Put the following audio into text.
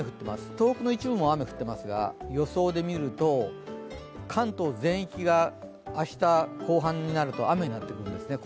東北の一部も雨、降っていますが、予想で見ると関東全域が明日後半になると雨になってくるんですね。